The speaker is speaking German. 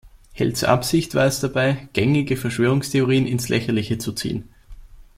Helds Absicht war es dabei, gängige Verschwörungstheorien ins Lächerliche zu ziehen.